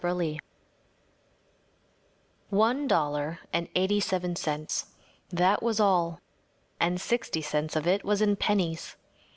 Henry One dollar and eighty seven cents. That was all. And sixty cents of it was in pennies.